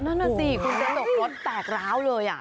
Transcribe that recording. นั่นแหละสิคุณเป็นตกรถแตกร้าวเลย